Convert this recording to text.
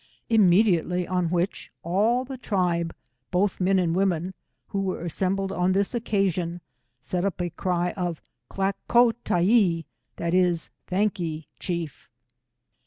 Immediately on which, all the tribe, both men and women, who were assembled on this occasion, set up a cry of Klack ko Tyee, thai is, Thank ye chief.